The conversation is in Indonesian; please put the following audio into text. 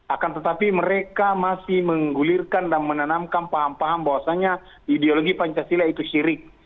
akan tetapi mereka masih menggulirkan dan menanamkan paham paham bahwasannya ideologi pancasila itu syirik